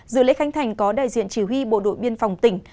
dự lễ khánh thành có đại diện chỉ huy bộ đội biên phòng tỉnh